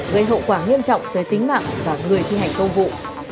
gây hậu quả nghiêm trọng tới tính mạng và người thi hành công vụ